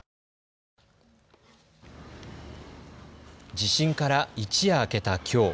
地震から一夜明けたきょう。